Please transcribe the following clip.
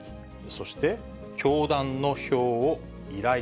そして教団の票を依頼。